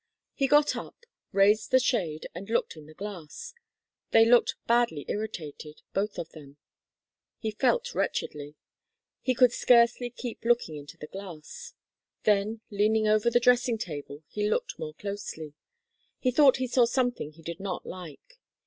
He got up, raised the shade and looked in the glass. They looked badly irritated, both of them. They felt wretchedly; he could scarcely keep looking into the glass. Then leaning over the dressing table, he looked more closely. He thought he saw something he did not like.